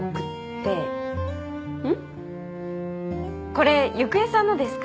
これゆくえさんのですか？